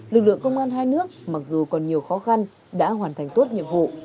lực lượng công an hai nước mặc dù còn nhiều khó khăn đã hoàn thành tốt nhiệm vụ